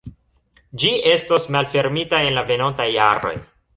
Ĝi estos malfermita en la venontaj jaroj.